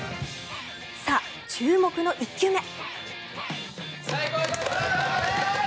さあ、注目の１球目。